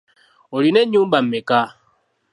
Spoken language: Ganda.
Olina ennyumba mmeka?